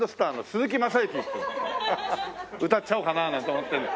歌っちゃおうかななんて思って。